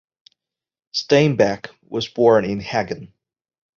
Steinbeck was born in Hagen.